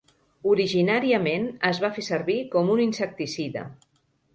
Originàriament es va fer servir com un insecticida.